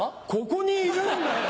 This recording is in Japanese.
ここにいるんだよ！